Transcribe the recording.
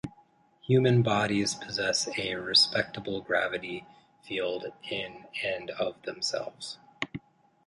Human bodies possess a "respectable" gravity field in and of themselves.